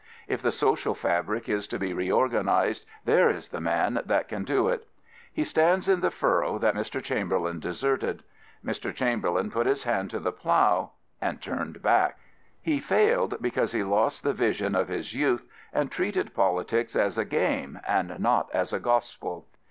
If the social fabric is to be reorganised, there is the man that can do it. He stands in the furrow that Mr. Chamber lain deserted. Mr. Chamberlain put his hand to the plough — and turned back. He failed because he lost the vision of his youth, and treated politics as a game, and not as a gospel.